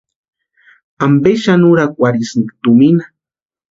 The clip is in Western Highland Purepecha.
¿Ampe xani úrakwarhisïnki tumina?